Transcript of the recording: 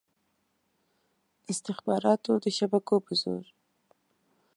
استخباراتو د شبکو په زور.